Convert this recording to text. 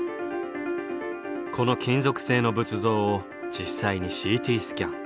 この金属製の仏像を実際にＣＴスキャン。